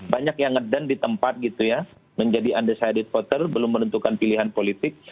banyak yang ngedan di tempat gitu ya menjadi undecided voter belum menentukan pilihan politik